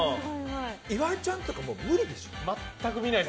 岩井ちゃんとか、無理でしょ？